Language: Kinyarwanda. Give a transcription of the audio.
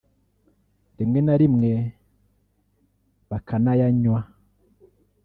rimwe na rimwe bakanayanywa